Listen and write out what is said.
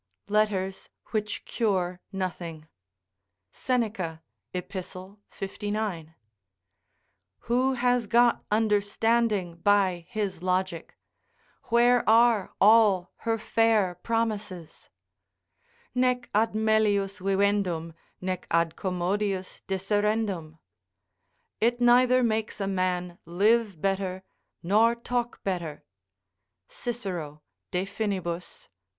["Letters which cure nothing." Seneca, Ep., 59.] Who has got understanding by his logic? Where are all her fair promises? "Nec ad melius vivendum, nec ad commodius disserendum." ["It neither makes a man live better nor talk better." Cicero, De Fin., i.